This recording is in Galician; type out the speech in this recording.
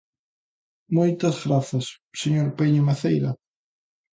Moitas grazas, señor Paíño Maceira.